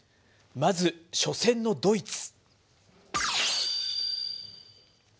まず初戦のドイツ。